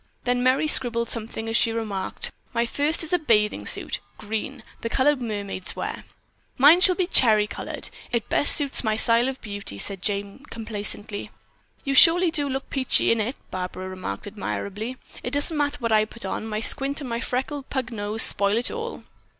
Then Merry scribbled something as she remarked, "My first is a bathing suit. Green, the color mermaids wear." "Mine shall be cherry colored. It best suits my style of beauty," Jane said complacently. "You surely do look peachy in it," Barbara remarked admirably. "It doesn't matter what I put on, my squint and my freckled pug nose spoil it all."